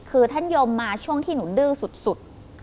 คือท่านยมมาช่วงที่หนูดื้อสุด